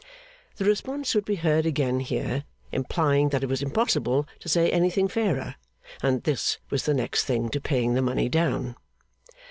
The response would be heard again here, implying that it was impossible to say anything fairer, and that this was the next thing to paying the money down.